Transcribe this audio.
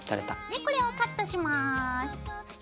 でこれをカットします。